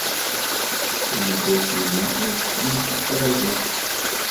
Tameddurt-inu akk nekk ttṛajuɣ-tt.